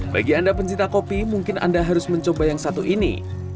bagi anda pencinta kopi mungkin anda harus mencoba yang satu ini